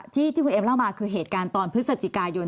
ที่คุณเอ็มเล่ามาคือเหตุการณ์ตอนพฤศจิกายน